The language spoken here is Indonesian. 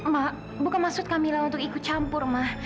ma bukan maksud kak mila untuk ikut campur ma